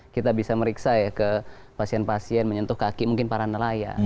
kita bisa meriksa ya ke pasien pasien menyentuh kaki mungkin para nelayan